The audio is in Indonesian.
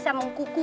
yaa bener itu